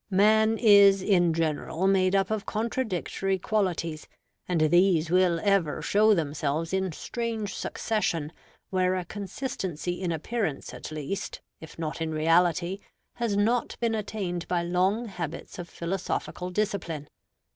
Man is in general made up of contradictory qualities: and these will ever show themselves in strange succession where a consistency in appearance at least, if not in reality, has not been attained by long habits of philosophical discipline.